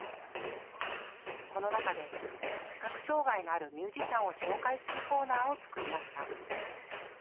この中で視覚障害のあるミュージシャンを紹介するコーナーを作りました。